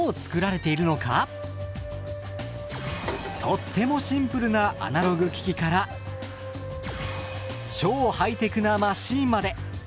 とってもシンプルなアナログ機器から超ハイテクなマシーンまで。